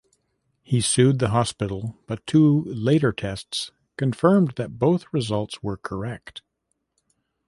He sued the hospital, but two later tests confirmed that both results were correct.